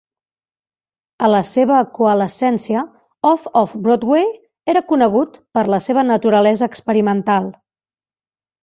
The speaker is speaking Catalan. A la seva coalescència, Off-Off-Broadway era conegut per la seva naturalesa experimental.